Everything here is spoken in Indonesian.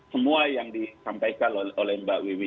semua yang disampaikan oleh mbak wiwi